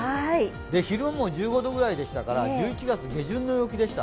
昼も１５度ぐらいでしたから、１１月下旬の陽気でした。